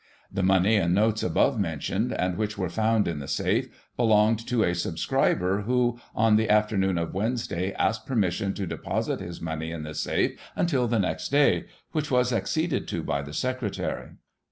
The money and notes above mentioned, and which were found in the safe, belonged to a subscriber who, on the afternoon of Wednesday, asked permission to deposit his money in the safe until the next day, which was acceded to by the secretary.